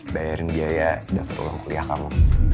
bayarin biaya daktar ulang kuliah kamu